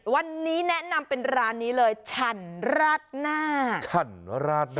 วันนี้แนะนำเป็นร้านนี้เลยฉันราดหน้าฉันราดหน้า